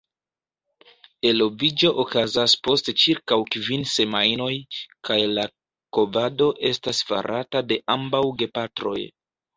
Eloviĝo okazas post ĉirkaŭ kvin semajnoj, kaj la kovado estas farata de ambaŭ gepatroj.